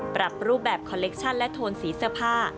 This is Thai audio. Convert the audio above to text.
ปรับรูปแบบคอลเลคชั่นและโทนสีเสื้อผ้า